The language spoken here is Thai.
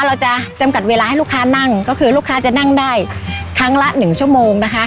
เราจะจำกัดเวลาให้ลูกค้านั่งก็คือลูกค้าจะนั่งได้ครั้งละหนึ่งชั่วโมงนะคะ